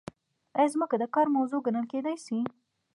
ایا ځمکه د کار موضوع ګڼل کیدای شي؟